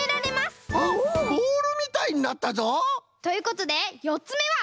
ボールみたいになったぞ！ということでよっつめは。